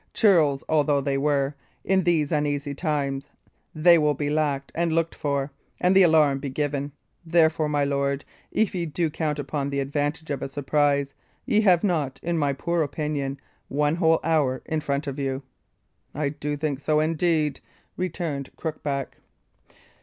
Churls although they were, in these uneasy times they will be lacked and looked for, and the alarm be given. Therefore, my lord, if ye do count upon the advantage of a surprise, ye have not, in my poor opinion, one whole hour in front of you." "I do think so indeed," returned Crookback.